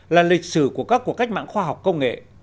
là lịch sử của các cuộc cách mạng khoa học công nghệ